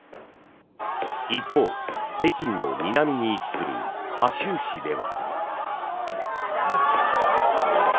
一方、北京の南に位置する覇州市では。